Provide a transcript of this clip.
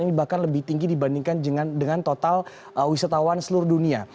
ini bahkan lebih tinggi dibandingkan dengan total wisatawan seluruh dunia